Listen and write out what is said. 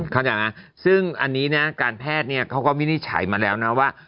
เข้าใจไหมซึ่งอันนี้นะการแพทย์เนี่ยเขาก็วินิจฉัยมาแล้วนะว่า